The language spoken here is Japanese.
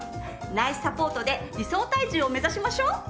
内脂サポートで理想体重を目指しましょう！